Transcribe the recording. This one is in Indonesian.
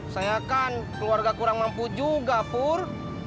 saya kan keluarga kurang mampu juga pur